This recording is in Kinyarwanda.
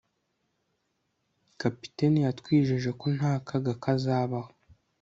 kapiteni yatwijeje ko nta kaga kazabaho